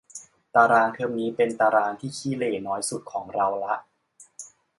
ตารางเทอมนี้เป็นตารางที่ขี้เหร่น้อยสุดของเราละ